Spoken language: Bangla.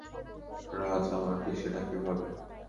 রাজ, - আমাকে, সেটা কিভাবে?